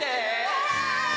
はい！